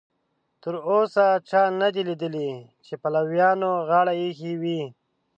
تر اوسه چا نه دي لیدلي چې پلویانو غاړه ایښې وي.